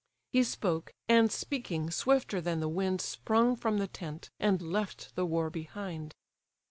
He spoke; and, speaking, swifter than the wind Sprung from the tent, and left the war behind.